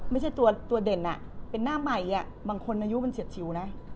ไม่ใช่ตัวเด่นเป็นหน้าใหม่บางคนอายุมันเฉียดชิวนะ